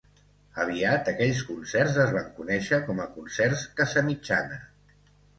Aviat, aquells concerts es van conèixer com a Concerts Casamitjana.